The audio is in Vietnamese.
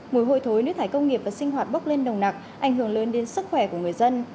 mùi hôi thối nước thải công nghiệp và sinh hoạt bốc lên nồng nặc ảnh hưởng lớn đến sức khỏe của người dân